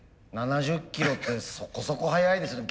７０キロってそこそこ速いですよね。